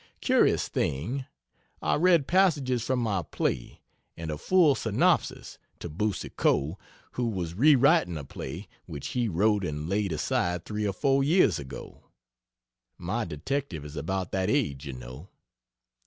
Curious thing. I read passages from my play, and a full synopsis, to Boucicault, who was re writing a play, which he wrote and laid aside 3 or 4 years ago. (My detective is about that age, you know.)